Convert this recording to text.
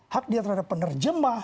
hak dia terhadap penerjemah